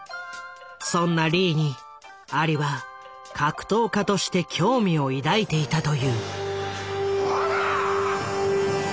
そんなリーにアリは格闘家として興味を抱いていたという。